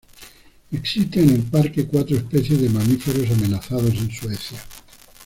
Existen en el parque cuatro especies de mamíferos amenazados en Suecia.